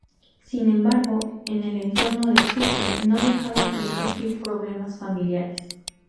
Sin embargo en el entorno de Sookie no dejan de surgir problemas familiares.